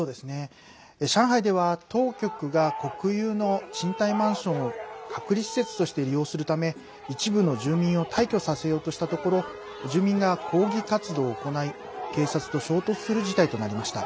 上海では当局が国有の賃貸マンションを隔離施設として利用するため一部の住民を退去させようとしたところ住民が抗議活動を行い警察と衝突する事態となりました。